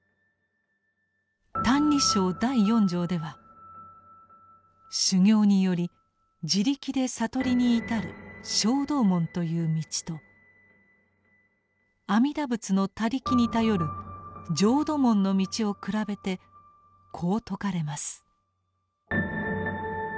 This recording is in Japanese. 第四条では修行により自力で悟りに至る「聖道門」という道と阿弥陀仏の他力に頼る「浄土門」の道を比べてこう説かれます。